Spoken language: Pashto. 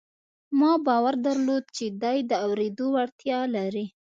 ما باور درلود چې دی د اورېدو وړتیا لري